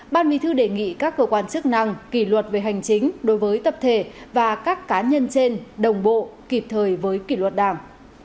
ban bí thư đề nghị các cơ quan chức năng kỷ luật về hành chính đối với tập thể và các cá nhân trên đồng bộ kịp thời với kỷ luật đảng